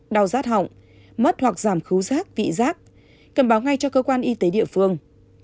đau rát họng mất hoặc giảm thú rác vị rác cần báo ngay cho cơ quan y tế địa phương